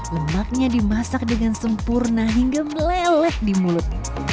lemaknya dimasak dengan sempurna hingga melelet di mulut